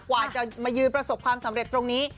กว่าจะมายืนประสบความสำเร็จตรงนี้